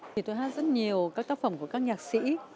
thì tôi hát rất nhiều các tác phẩm của các nhạc sĩ